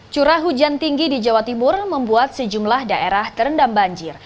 curah hujan tinggi di jawa timur membuat sejumlah daerah terendam banjir